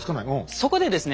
そこでですね